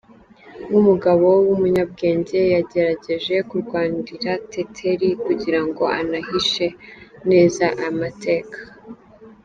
Nk’umugabo w’umunyabwenge, yagerageje kurwanirira Teteri kugira ngo anahishe neza aya mateka.